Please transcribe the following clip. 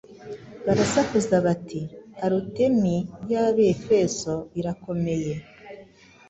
barasakuza bati: ‘Arutemi y’Abefeso irakomeye!”